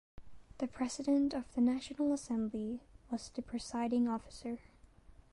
The President of the National Assembly was the presiding officer.